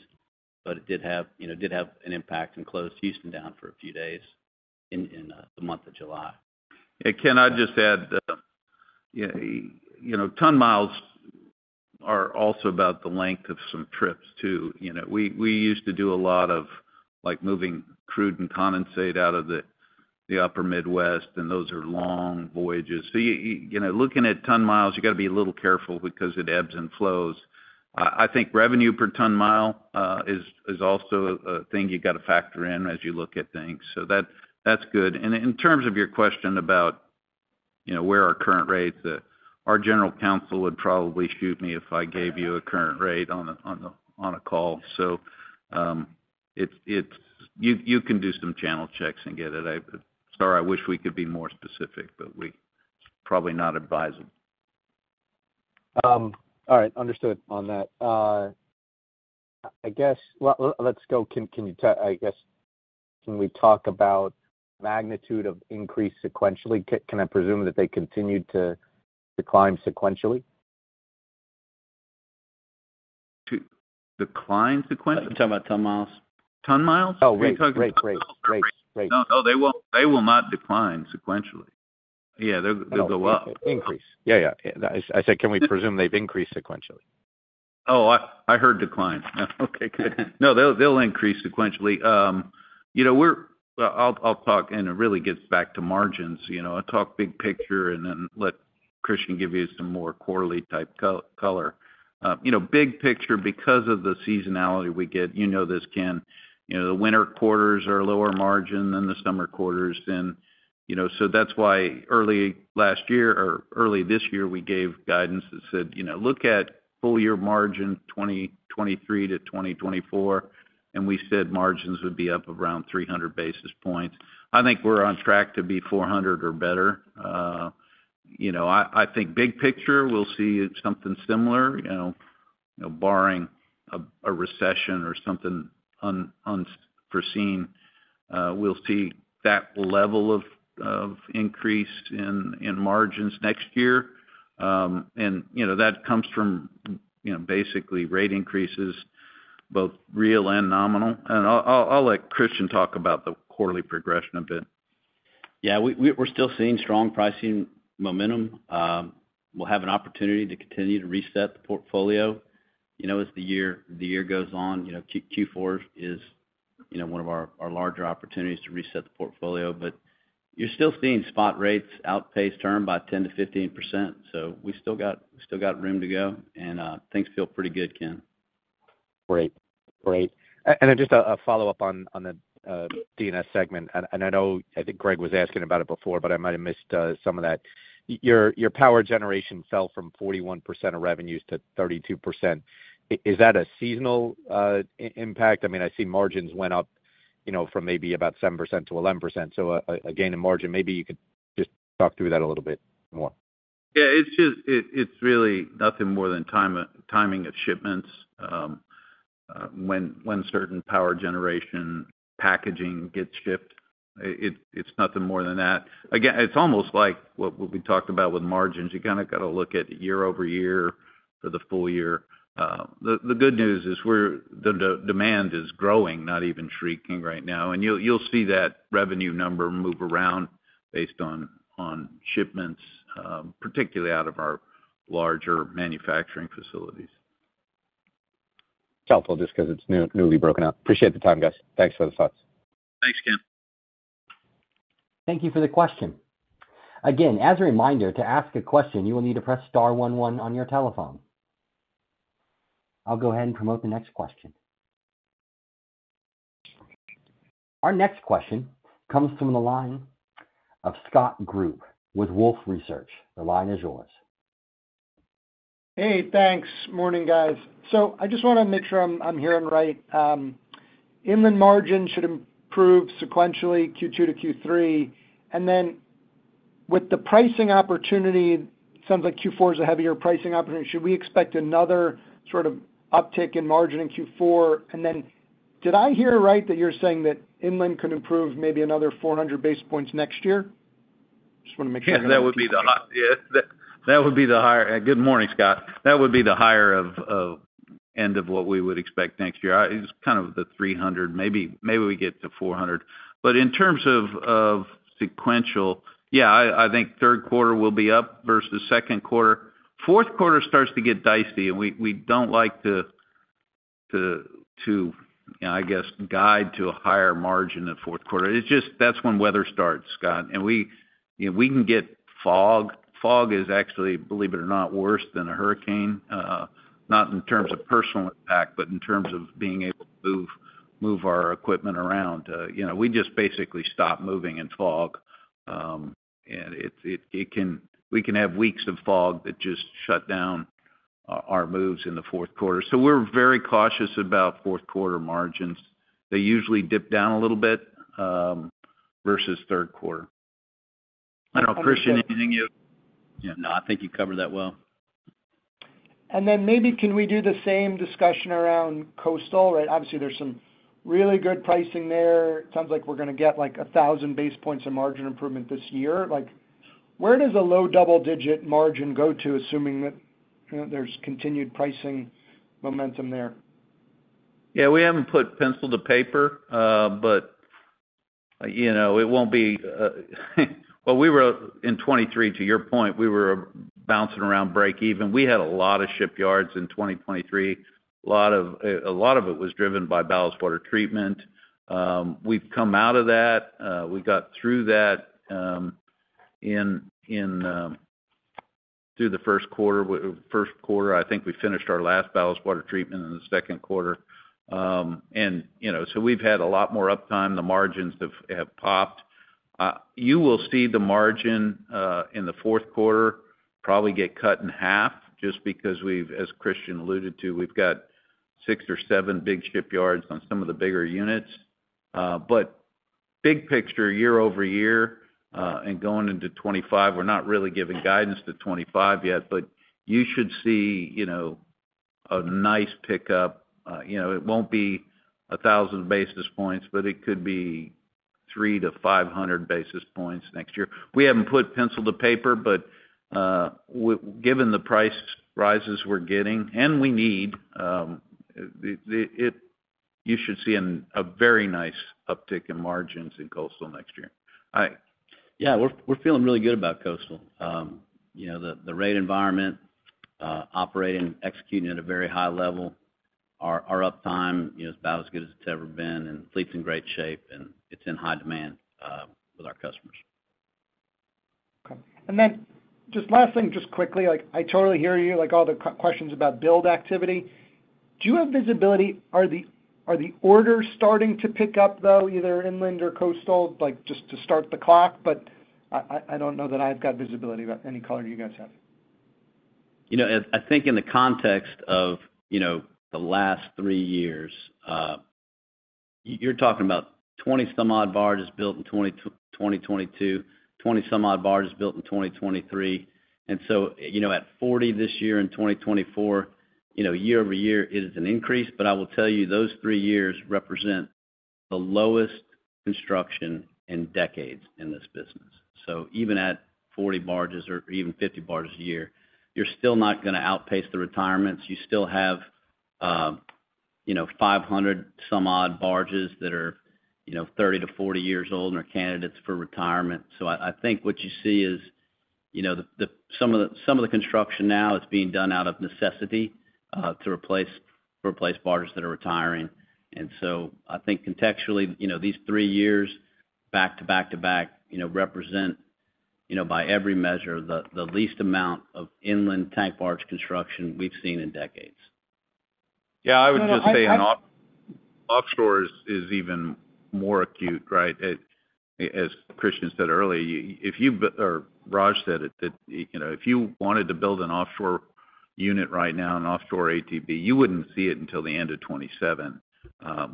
but it did have, you know, an impact and closed Houston down for a few days in the month of July. Ken Hoexter, I'd just add, you know, ton miles are also about the length of some trips, too. You know, we used to do a lot of, like, moving crude and condensate out of the Upper Midwest, and those are long voyages. So you know, looking at ton miles, you got to be a little careful because it ebbs and flows. I think revenue per ton mile is also a thing you got to factor in as you look at things. So that's good. And in terms of your question about you know, where our current rates at. Our general counsel would probably shoot me if I gave you a current rate on a call. So it's you can do some channel checks and get it. Sorry, I wish we could be more specific, but we, it's probably not advisable. All right. Understood on that. I guess, well, let's go... Can you tell, I guess, can we talk about magnitude of increase sequentially? Can I presume that they continued to decline sequentially? To decline sequentially? I'm talking about ton miles. Ton miles? Oh, rate. No, no, they will, they will not decline sequentially. Yeah, they'll, they'll go up. Increase. Yeah, yeah. I, I said, can we presume they've increased sequentially? Oh, I heard decline. Okay, good. No, they'll increase sequentially. You know, we're—I'll talk, and it really gets back to margins, you know. I'll talk big picture, and then let Christian O'Neil give you some more quarterly type color. You know, big picture, because of the seasonality we get, you know this, Ken Hoexter, you know, the winter quarters are lower margin than the summer quarters. And, you know, so that's why early last year or early this year, we gave guidance that said, "You know, look at full year margin 2023 to 2024," and we said margins would be up around 300 basis points. I think we're on track to be 400 basis points or better. You know, I think big picture, we'll see something similar, you know, barring a recession or something unforeseen, we'll see that level of increase in margins next year. And, you know, that comes from, you know, basically rate increases, both real and nominal. And I'll let Christian O'Neil talk about the quarterly progression a bit. Yeah, we're still seeing strong pricing momentum. We'll have an opportunity to continue to reset the portfolio, you know, as the year goes on. You know, Q4 is, you know, one of our larger opportunities to reset the portfolio, but you're still seeing spot rates outpace term by 10%-15%. So we still got room to go, and things feel pretty good, Ken Hoexter. Great. Great. And then just a follow-up on the D&S segment, and I know, I think Greg Lewis was asking about it before, but I might have missed some of that. Your power generation fell from 41% of revenues to 32%. Is that a seasonal impact? I mean, I see margins went up, you know, from maybe about 7%-11%, so a gain in margin. Maybe you could just talk through that a little bit more. Yeah, it's just, it's really nothing more than timing of shipments. When certain power generation packaging gets shipped, it's nothing more than that. Again, it's almost like what we talked about with margins. You kinda gotta look at year-over-year for the full year. The good news is the demand is growing, not even shrinking right now. And you'll see that revenue number move around based on shipments, particularly out of our larger manufacturing facilities. It's helpful just because it's newly broken out. Appreciate the time, guys. Thanks for the thoughts. Thanks, Ken Hoexter. Thank you for the question. Again, as a reminder, to ask a question, you will need to press star one one on your telephone. I'll go ahead and promote the next question. Our next question comes from the line of Scott Group with Wolfe Research. The line is yours. Hey, thanks. Morning, guys. So I just wanna make sure I'm hearing right. Inland margins should improve sequentially Q2 to Q3, and then with the pricing opportunity, sounds like Q4 is a heavier pricing opportunity. Should we expect another sort of uptick in margin in Q4? And then did I hear right that you're saying that inland could improve maybe another 400 basis points next year? Just wanna make sure. That would be the high. Yeah, that would be the higher... good morning, Scott Group. That would be the higher end of what we would expect next year. It's kind of the 300 basis points, maybe we get to 400. But in terms of sequential, yeah, I think Q3 will be up versus Q2. Q4 starts to get dicey, and we don't like to, I guess, guide to a higher margin in Q4. It's just, that's when weather starts, Scott Group, and we, you know, we can get fog. Fog is actually, believe it or not, worse than a hurricane, not in terms of personal impact, but in terms of being able to move our equipment around. You know, we just basically stop moving in fog, and we can have weeks of fog that just shut down our moves in the Q4. So we're very cautious about Q4 margins. They usually dip down a little bit, versus Q3. I don't know, Christian O'Neil, anything you... Yeah, no, I think you covered that well. And then maybe can we do the same discussion around coastal? Right, obviously, there's some really good pricing there. Sounds like we're gonna get, like, 1,000 basis points of margin improvement this year. Like, where does a low-double-digit margin go to, assuming that, you know, there's continued pricing momentum there? Yeah, we haven't put pencil to paper, but, you know, it won't be, well, we were in 2023, to your point, we were bouncing around break even. We had a lot of shipyards in 2023. A lot of, a lot of it was driven by ballast water treatment. We've come out of that. We got through that through the Q1, with Q1, I think we finished our last ballast water treatment in the Q2. And, you know, so we've had a lot more uptime. The margins have, have popped. You will see the margin in the Q4 probably get cut in half just because we've, as Christian O'Neil alluded to, we've got six or seven big shipyards on some of the bigger units. But big picture, year-over-year, and going into 2025, we're not really giving guidance to 2025 yet, but you should see, you know, a nice pickup. You know, it won't be 1,000 basis points, but it could be 300 basis points-500 basis points next year. We haven't put pencil to paper, but given the price rises we're getting, and we need you should see a very nice uptick in margins in coastal next year. I- Yeah, we're feeling really good about coastal. You know, the rate environment, operating, executing at a very high level. Our uptime, you know, is about as good as it's ever been, and fleet's in great shape, and it's in high demand with our customers. Okay. And then, just last thing, just quickly, like, I totally hear you, like, all the questions about build activity. Do you have visibility? Are the orders starting to pick up, though, either inland or coastal, like, just to start the clock? But I don't know that I've got visibility, but any color you guys have. You know, I think in the context of, you know, the last three years, you're talking about 20-some-odd barges built in 2022, 20-some-odd barges built in 2023. And so, you know, at 40 this year in 2024, you know, year-over-year, it is an increase. But I will tell you, those three years represent the lowest construction in decades in this business. So even at 40 barges or even 50 barges a year, you're still not gonna outpace the retirements. You still have, you know, 500-some-odd barges that are, you know, 30-40 years old and are candidates for retirement. So I think what you see is, you know, some of the construction now is being done out of necessity to replace barges that are retiring. And so I think contextually, you know, these three years back to back to back, you know, represent, you know, by every measure, the least amount of inland tank barge construction we've seen in decades. Yeah, I would just say- No, no, I- ...offshore is, is even more acute, right? It, as Christian O'Neil said earlier, or Raj Kumar said it, that, you know, if you wanted to build an offshore unit right now, an offshore ATB, you wouldn't see it until the end of 2027.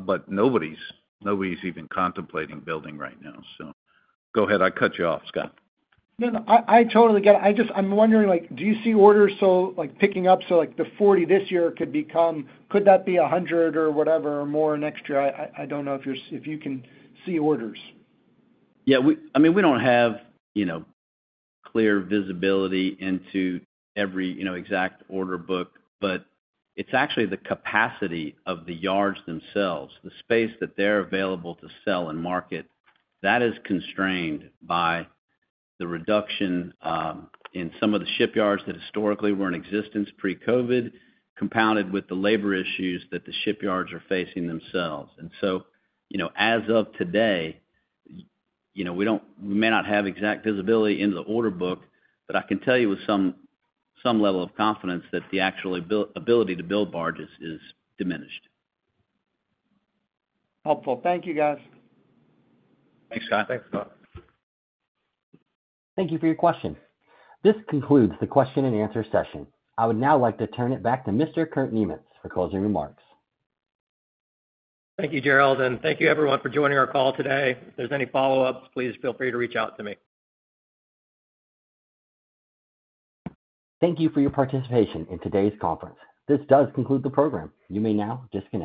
But nobody's even contemplating building right now. So go ahead, I cut you off, Scott Group. No, no, I totally get it. I just, I'm wondering, like, do you see orders so, like, picking up, so, like, the 40 barges this year could become a hundred or whatever, or more next year? I don't know if you can see orders. Yeah, I mean, we don't have, you know, clear visibility into every, you know, exact order book, but it's actually the capacity of the yards themselves, the space that they're available to sell and market, that is constrained by the reduction in some of the shipyards that historically were in existence pre-COVID, compounded with the labor issues that the shipyards are facing themselves. And so, you know, as of today, you know, we don't, we may not have exact visibility into the order book, but I can tell you with some, some level of confidence that the actual ability to build barges is diminished. Helpful. Thank you, guys. Thanks, Scott Group. Thanks, Scott Group. Thank you for your question. This concludes the Q&A session. I would now like to turn it back to Mr. Kurt Niemietz for closing remarks. Thank you, Gerald, and thank you everyone for joining our call today. If there's any follow-ups, please feel free to reach out to me. Thank you for your participation in today's conference. This does conclude the program. You may now disconnect.